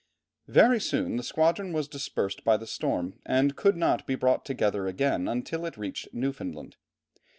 Very soon the squadron was dispersed by the storm, and could not be brought together again until it reached Newfoundland.